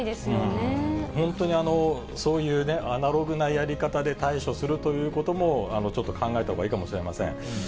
本当にそういうアナログなやり方で対処するということも、ちょっと考えたほうがいいかもしれません。